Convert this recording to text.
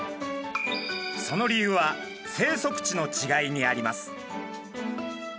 その理由は生息地のちがいにあります。